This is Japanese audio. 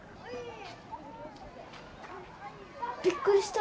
びっくりした。